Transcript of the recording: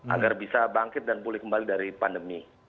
agar bisa bangkit dan pulih kembali dari pandemi